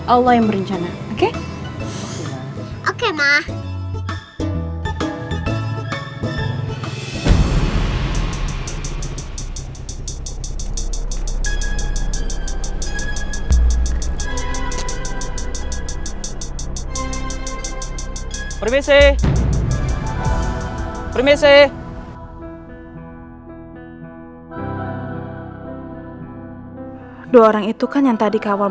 allah yang berencana oke